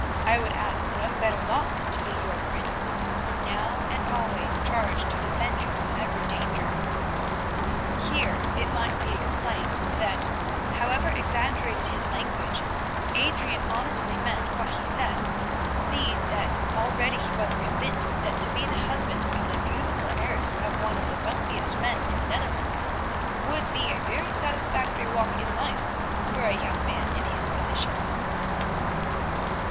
I would ask no better lot than to be your Prince, now and always charged to defend you from every danger." (Here, it may be explained, that, however exaggerated his language, Adrian honestly meant what he said, seeing that already he was convinced that to be the husband of the beautiful heiress of one of the wealthiest men in the Netherlands would be a very satisfactory walk in life for a young man in his position.)